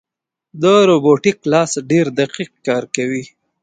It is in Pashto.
دا روبوټیک لاس ډېر دقیق کار کوي.